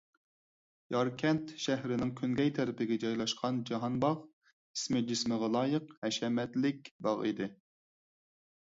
ياركەنت شەھىرىنىڭ كۈنگەي تەرىپىگە جايلاشقان جاھانباغ ئىسمى-جىسمىغا لايىق ھەشەمەتلىك باغ ئىدى.